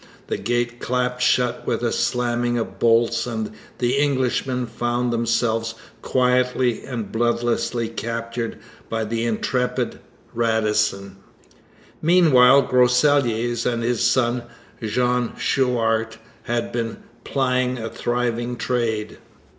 The gates clapped shut with a slamming of bolts, and the Englishmen found themselves quietly and bloodlessly captured by the intrepid Radisson. Meanwhile Groseilliers and his son, Jean Chouart, had been plying a thriving trade.